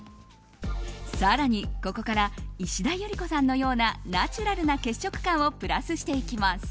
更に、ここから石田ゆり子さんのようなナチュラルな血色感をプラスしていきます。